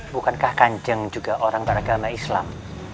bukankah kanjeng juga orang beragama islam